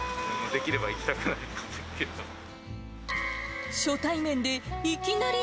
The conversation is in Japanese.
できれば行きたくないけど。